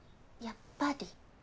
やっぱり？